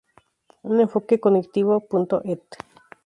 Un enfoque Cognitivo.Ed.